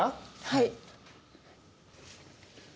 はい。